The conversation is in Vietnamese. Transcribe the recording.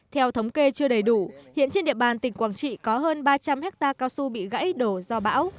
theo thống kê chưa đầy đủ hiện trên địa bàn tỉnh quảng trị có hơn ba trăm linh hectare cao su bị gãy đổ do bão